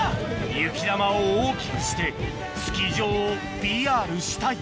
「雪玉を大きくしてスキー場をＰＲしたい」